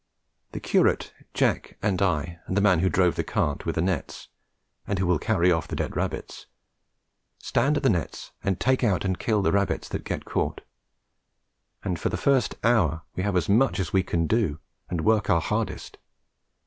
The curate, Jack and I, and the man who drove the cart with the nets, and who will carry off the dead rabbits, stand at the nets and take out and kill the rabbits that get caught; and for the first hour we have as much as we can do, and work our hardest.